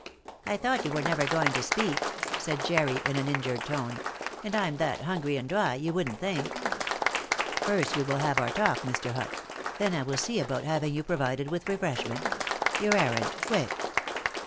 "I thought you were never going to speak," said Jerry, in an injured tone, "and I'm that hungry and dry, you wouldn't think!" "First we will have our talk, Mr. Hutt; then I will see about having you provided with refreshment. Your errand! quick!"